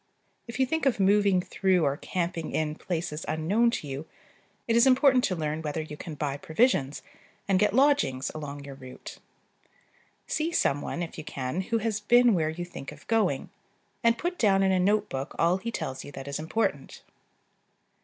If you think of moving through or camping in places unknown to you, it is important to learn whether you can buy provisions and get lodgings along your route. See some one, if you can, who has been where you think of going, and put down in a note book all he tells you that is important.